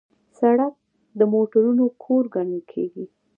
سړک د موټرونو کور ګڼل کېږي.